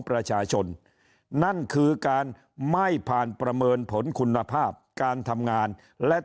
ประชาชนนั่นคือการไม่ผ่านประเมินผลคุณภาพการทำงานและ